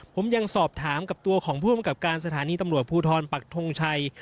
ผมยังสอบถามกับตัวของผู้อำกับการสถานีตำรวจภูทรปักทงชัย